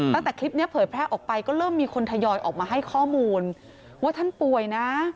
ตั้งแต่คลิปนี้เผยแพร่ออกไปก็เริ่มมีคนทยอยออกมาให้ข้อมูลว่าท่านป่วยนะ